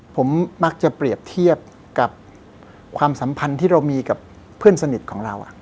ผมมักจะเปรียบเทียบกับความสัมพันธ์ที่เรามีกับเพื่อนสนิทของเรา